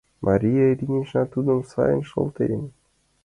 — Мария Ильинична тудым сайын шылтен.